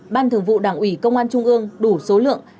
ban thường vụ đảng ủy công an trung ương